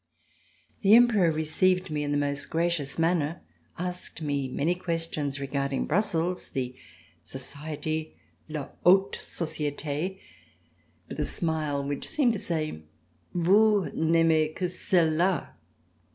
The Emperor received me in the most gracious manner, asked me many questions regarding Brussels, the society, la haute societe, with a smile which seemed to say: "Vous n'aimez que celle la."